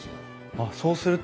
あっそうすると。